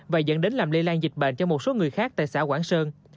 và dẫn đến làm lây lan dịch bệnh cho một số người khác tại xã quảng sơn